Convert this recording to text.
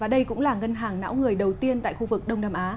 và đây cũng là ngân hàng não người đầu tiên tại khu vực đông nam á